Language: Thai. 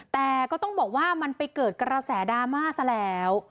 แต่ก็ต้องบอกว่ามันไปเกิดกระแสดราม่าซะแล้ว